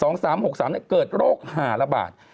๒๓๖๓นี่เกิดโรคห่าระบาด